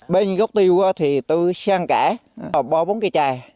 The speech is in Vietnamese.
bên gốc tiêu thì tôi sang cả bỏ bốn cây trài